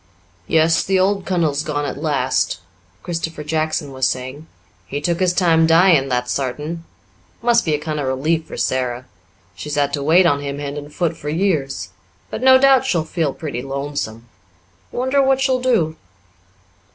"Yes, the old kunnel's gone at last," Christopher Jackson was saying. "He took his time dyin', that's sartain. Must be a kind of relief for Sara she's had to wait on him, hand and foot, for years. But no doubt she'll feel pretty lonesome. Wonder what she'll do?"